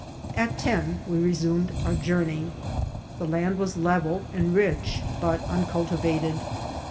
At ten we resumed our journey. The land was level and rich, but uncultivated.